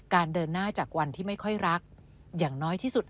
เดินหน้าจากวันที่ไม่ค่อยรักอย่างน้อยที่สุด